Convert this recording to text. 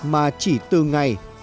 mà chỉ từ ngày